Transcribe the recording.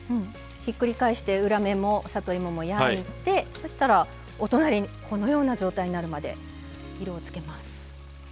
ひっくり返して裏面も里芋も焼いてそしたらお隣このような状態になるまで色をつけます。